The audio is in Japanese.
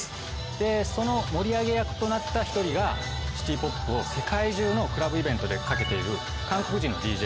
でその盛り上げ役となった１人がシティポップを世界中のクラブイベントでかけている韓国人のＤＪ。